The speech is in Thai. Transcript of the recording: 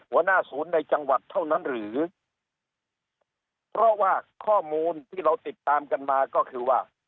หัวหน้าศูนย์ในจังหวัดเท่านั้นหรือเพราะว่าข้อมูลที่เราติดตามกันมาก็คือว่า